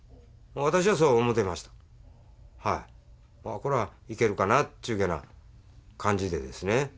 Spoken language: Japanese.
これはいけるかなっちゅうげな感じでですね。